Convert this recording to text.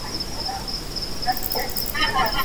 Nupi na ngei cang maw?